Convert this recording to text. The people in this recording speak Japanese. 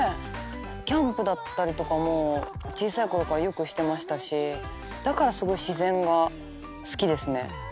キャンプとかも小さいころからよくしてましたしだからすごい自然が好きですね。